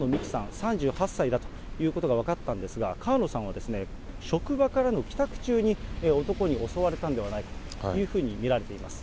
３８歳だということが分かったんですが、川野さんは職場からの帰宅中に男に襲われたんではないかというふうに見られています。